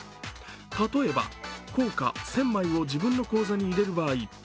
例えば硬貨１０００枚を自分の口座に入れる場合